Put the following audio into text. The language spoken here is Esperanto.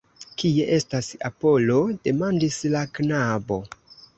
Kie estas Apolo? demandis la knabo.